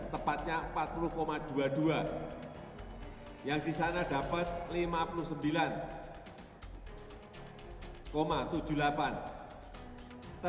tapi menangnya tipis